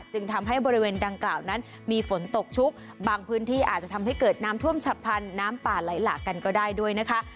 จึงทำให้บริเวณดังกล่าวนั้นมีฝนตกชุกบางพื้นที่อาจจะทำให้เกิดน้ำท่วมฉับพันธุ์น้ำป่าไหลหลากกันก็ได้ด้วยนะคะ